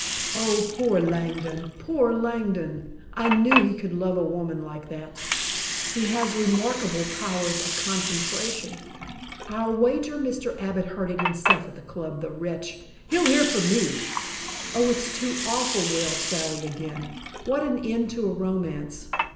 "Oh, poor Langdon! Poor Langdon! I knew he could love a woman like that " "He has remarkable powers of concentration!" "I'll wager Mr. Abbott heard it himself at the Club, the wretch! He'll hear from me!" "Oh, it's too awful," wailed Sally again. "What an end to a romance.